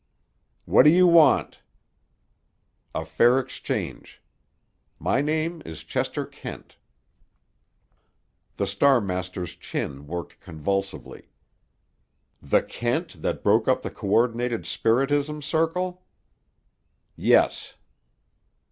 "What do you want?" "A fair exchange. My name is Chester Kent." The Star master's chin worked convulsively. "The Kent that broke up the Coordinated Spiritism Circle?" "Yes."